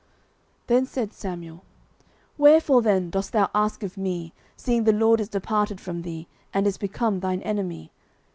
09:028:016 Then said Samuel, Wherefore then dost thou ask of me, seeing the LORD is departed from thee, and is become thine enemy?